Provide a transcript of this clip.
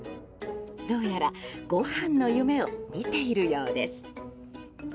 どうやらごはんの夢を見ているようです。